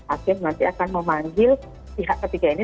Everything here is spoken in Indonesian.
hakim nanti akan memanggil pihak ketiga ini